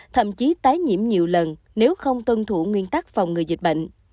thậm chí tái nhiễm nhiều lần nếu không tuân thủ nguyên tắc phòng người dịch bệnh